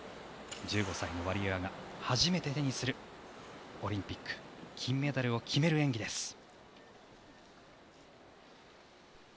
１５歳のワリエワが初めて手にするオリンピック金メダルを決める演技です。